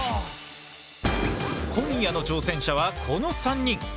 今夜の挑戦者はこの３人！